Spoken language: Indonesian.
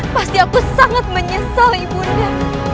pasti aku sangat menyesal ibu nara